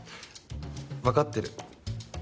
わかってる。